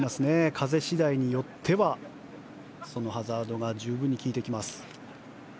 風次第によってはそのハザードが十分に効いてきます。